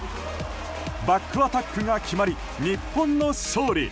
バックアタックが決まり日本の勝利。